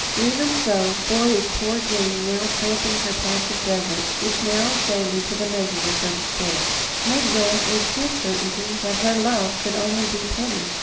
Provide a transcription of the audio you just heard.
Even so, Boy, is poor Jane now tramping her patch of desert, which narrows daily to the measure of her despair. Migdol is HIS certainty that HER love could only be pity.